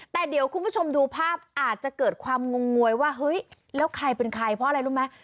แต่เดี๋ยวคุณผู้ชมดูภาพอาจจะเกิดความงงงวยว่าเฮ้ยแล้วใครเป็นใครเพราะอะไรรู้ไหม